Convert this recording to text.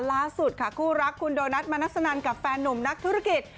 ล่าสุดค่ะคู่รักคุณโดนัทมนัสนันกับแฟนนุ่มนักธุรกิจ